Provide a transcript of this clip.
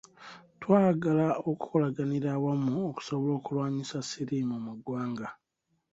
Twagala okukolaganira awamu okusobola okulwanyisa siriimu mu ggwanga.